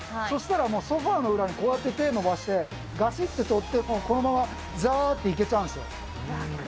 そしたらもう、ソファーの裏にこうやって手伸ばして、がしって取ってもうこのままざーっていけちゃうんですよ。